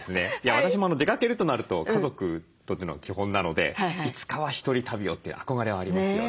私も出かけるとなると家族とというのが基本なのでいつかは１人旅をって憧れはありますよね。